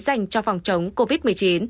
dành cho phòng chống covid một mươi chín